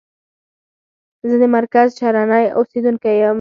زه د مرکز شرنی اوسیدونکی یم.